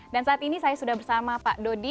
dan saat ini saya sudah bersama pak dodi